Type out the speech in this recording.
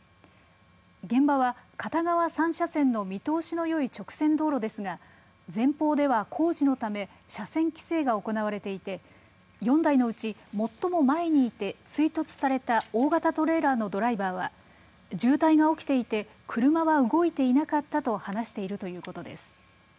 現場は片側３車線の見通しのよい直線道路ですが前方では工事のため車線規制が行われていて４台のうち、最も前にいて追突された大型トレーラーのドライバーは渋滞が起きていて車は動いていなかったと話しているということです。